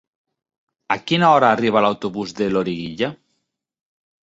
A quina hora arriba l'autobús de Loriguilla?